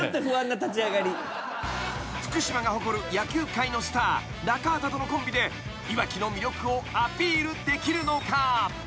［福島が誇る野球界のスター中畑とのコンビでいわきの魅力をアピールできるのか？］